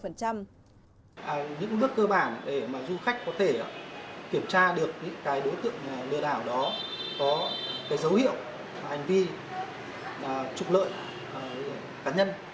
những bước cơ bản để mà du khách có thể kiểm tra được những cái đối tượng lừa đảo đó có cái dấu hiệu hành vi trục lợi cá nhân